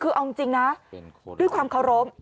คือเอาจริงนะด้วยความเคารพ